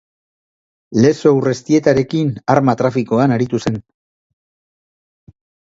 Lezo Urreztietarekin arma trafikoan aritu zen.